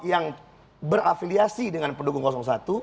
yang berafiliasi dengan pendukung satu